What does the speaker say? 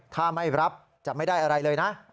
ถ้าไม่รับจะไม่ได้อะไรเลยนะ